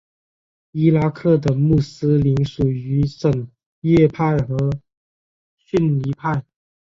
伊拉克的穆斯林属于什叶派和逊尼派。